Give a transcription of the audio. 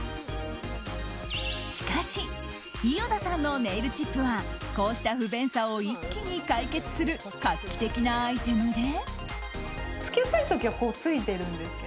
しかし伊與田さんのネイルチップはこうした不便さを一気に解決する画期的なアイテムで。